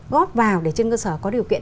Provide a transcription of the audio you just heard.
góp vào để trên cơ sở có điều kiện